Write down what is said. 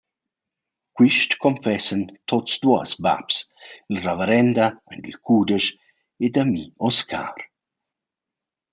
Quist confessan tuots duos baps, il ravarenda aint il cudesch ed ami Oscar.